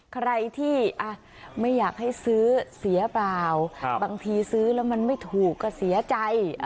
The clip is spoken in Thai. ใครที่ไม่อยากให้ซื้อเสียเปล่าบางทีซื้อแล้วมันไม่ถูกก็เสียใจ